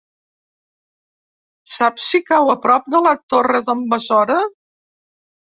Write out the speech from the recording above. Saps si cau a prop de la Torre d'en Besora?